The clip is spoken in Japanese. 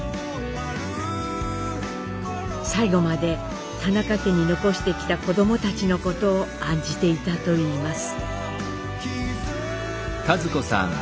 最期まで田中家に残してきた子どもたちのことを案じていたといいます。